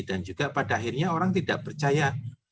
dan juga pada akhirnya orang tidak percaya